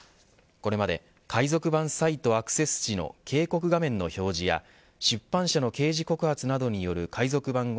これまで海賊版サイトアクセス時の警告画面の表示や出版社の刑事告発などによる海賊版